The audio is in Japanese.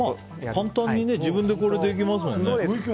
簡単に自分でできますもんね。